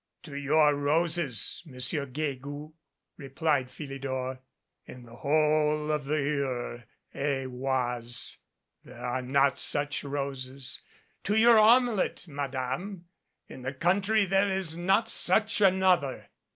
"To your roses, Monsieur Guegou," replied Philidor. "In the whole of the Eure et Oise there are not such roses. 181 MADCAP To your omelette, Madame. In the country there is not such another